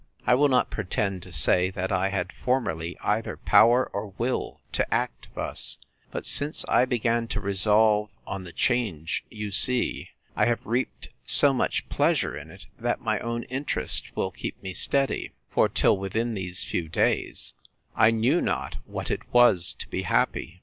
I will not pretend to say, that I had formerly either power or will to act thus: But since I began to resolve on the change you see, I have reaped so much pleasure in it, that my own interest will keep me steady: For, till within these few days, I knew not what it was to be happy.